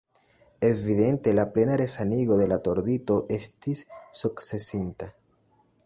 Evidente la plena resanigo de la tordito estis sukcesinta.